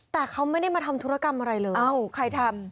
แต่เขาไม่ได้มาทำธุรกรรมอะไรเลยใครทำ